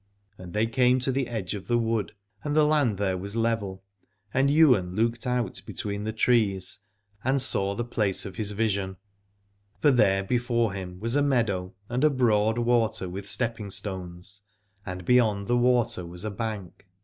And they came to the edge of the wood, and the land there was level, and Ywain looked out between the trees and saw the place of his vision, for there before him was a meadow and a broad water with stepping stones, and beyond the water was a bank.